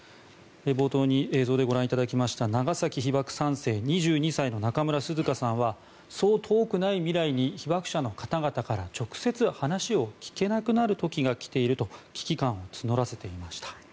冒頭に映像でご覧いただきました長崎被爆３世２２歳の中村涼香さんはそう遠くない未来に被爆者の方々から直接話を聞けなくなる時が来ていると危機感を募らせていました。